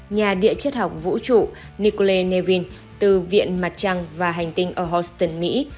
nhà địa chất học vũ trụ nicolae nevin từ viện mặt trăng và hành tinh ở houston mỹ